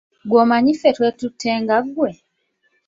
Ggw'omanyi ffe twetudde nga ggwe?